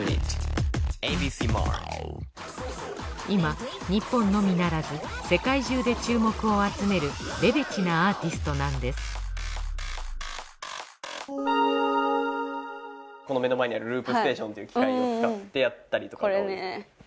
今日本のみならず世界中で注目を集めるレベチなアーティストなんですこの目の前にある。